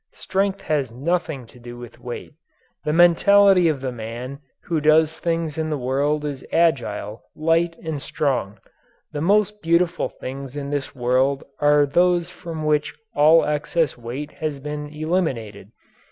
Strength has nothing to do with weight. The mentality of the man who does things in the world is agile, light, and strong. The most beautiful things in the world are those from which all excess weight has been eliminated.